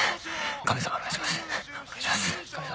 神様お願いします。